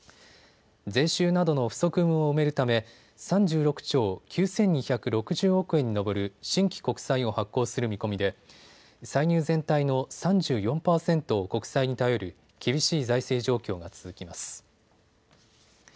税収などの不足分を埋めるため３６兆９２６０億円に上る新規国債を発行する見込みで歳入全体の３４％を国債に頼る厳しい財政状況が続きます。